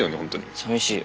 さみしいよ。